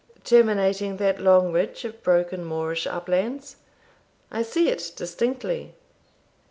"Terminating that long ridge of broken moorish uplands? I see it distinctly."